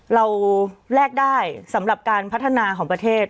แลกได้สำหรับการพัฒนาของประเทศ